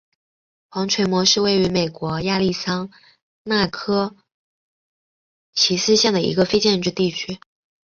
黄锤磨是位于美国亚利桑那州科奇斯县的一个非建制地区。